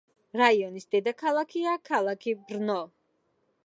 რაიონის დედაქალაქია ქალაქი ბრნო.